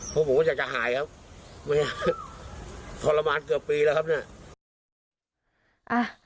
พวกผมก็อยากจะหายครับทรมานเกือบปีแล้วครับเนี่ย